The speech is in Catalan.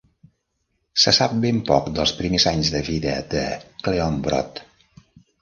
Se sap ben poc dels primers anys de vida de Cleombrot.